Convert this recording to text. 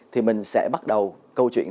thì mình sẽ bắt đầu câu chuyện